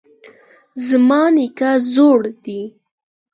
زما نیکه زوړ دی